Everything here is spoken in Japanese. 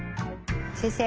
先生。